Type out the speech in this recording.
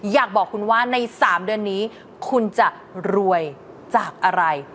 อยากบอกคุณว่าใน๓เดือนนี้คุณจะรวยจากอะไร